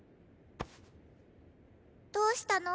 どうしたの？